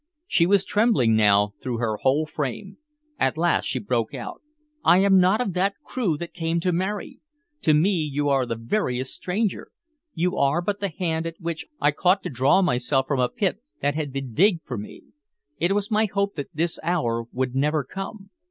She was trembling now through her whole frame. At last she broke out: "I am not of that crew that came to marry! To me you are the veriest stranger, you are but the hand at which I caught to draw myself from a pit that had been digged for me. It was my hope that this hour would never come.